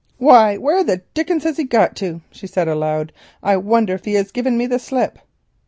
"Why, where the dickens has he got to?" she said aloud; "I wonder if he has given me the slip?"